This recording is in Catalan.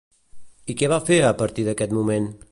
I què va fer a partir d'aquest moment?